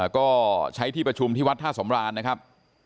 ก็ใช้ที่ประชุมที่วัดท่าสำรานนะครับ